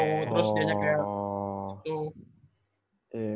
oh terus dia nya kayak gitu